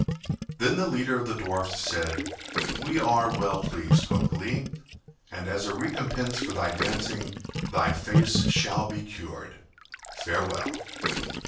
Then the leader of the dwarfs said: "We are well pleased, Hok Lee, and as a recompense for thy dancing thy face shall he cured. Farewell."